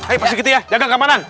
ayo pak sri giti ya jaga keamanan